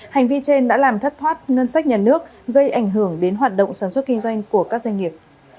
hành vi trên đã làm thất thoát ngân sách nhà nước gây ảnh hưởng đến hoạt động sản xuất kinh doanh của các doanh nghiệp